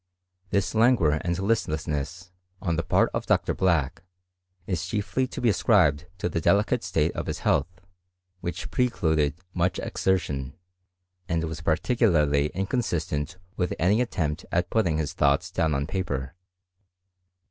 This languor and listlessness, on the part of Dr. Black, is chiefly to be ascribed to the delicate state of his health, which precluded much exertion, and waft particularly inconsistent with any attempt at putting his thoughts down upon paper.